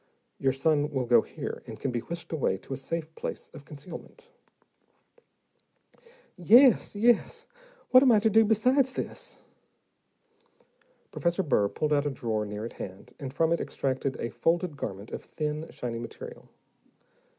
Your son will go here, and can be whisked away to a safe place of concealment." "Yes, yes. What am I to do besides this?" Professor Burr pulled out a drawer near at hand, and from it extracted a folded garment of thin, shiny material.